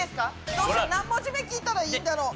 どうしよう何文字目聞いたらいいんだろう？